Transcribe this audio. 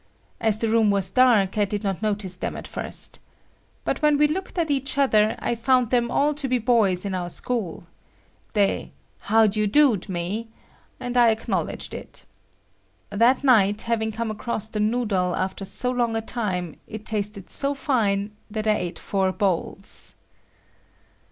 As the room was dark I did not notice them at first. But when we looked at each other, I found them all to be boys in our school. They "how d'ye do'd" me and I acknowledged it. That night, having come across the noodle after so long a time, it tasted so fine that I ate four bowls.